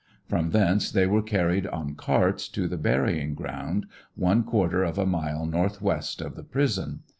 From thence they were car ried on carts to the burying ground, one quarter of a mile northwest of the prison.